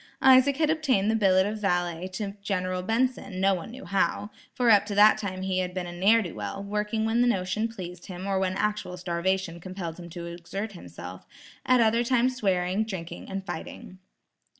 Isaac had obtained the billet of valet to General Benson, no one knew how, for up to that time he had been a ne'er do well, working when the notion pleased him or when actual starvation compelled him to exert himself, at other times swearing, drinking and fighting.